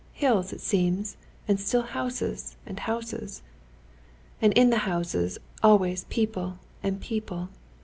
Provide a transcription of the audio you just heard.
Hills it seems, and still houses, and houses.... And in the houses always people and people....